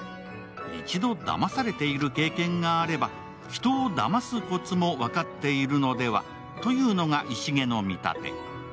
一度だまされている経験があれば、人をだますコツも分かっているのではというのが石毛の見立て。